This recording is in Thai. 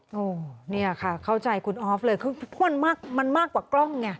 โอ้เนี่ยค่ะเข้าใจคุณออฟเลยคือพ่วนมากมันมากกว่ากล้องไง